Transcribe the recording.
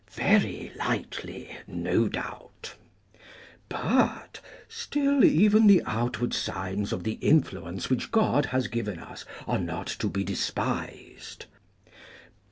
Very lightly, no doubt! But "still even the outward signs of the influence which God has given us are not to be despised."